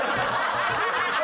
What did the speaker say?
ハハハハ！